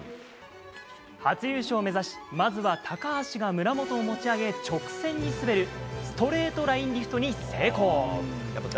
初優勝を目指し、まずは高橋が村元を持ち上げ、直線に滑る、ストレートラインリフトに成功。